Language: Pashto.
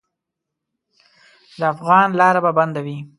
د افغان لاره به بندوي.